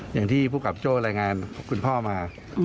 อย่างที่ภูมิกับโจ้รายงานคุณพ่อมา